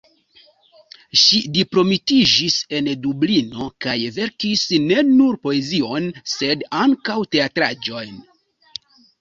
Ŝi diplomitiĝis en Dublino, kaj verkis ne nur poezion, sed ankaŭ teatraĵojn.